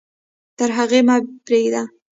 تر هغې مه پرېږده.